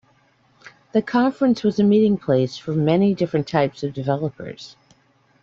The conference was a meeting place for many different types of developers.